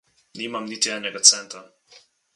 Nimam niti enega centa.